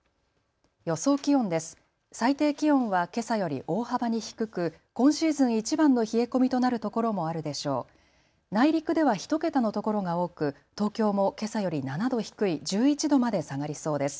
予想気温です。